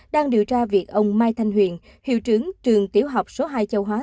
đang điều tra việc ông mai thanh huyền hiệu trưởng trường tiểu học số hai châu á